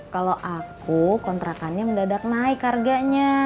kalau aku kontrakannya mudah mudahan naik harganya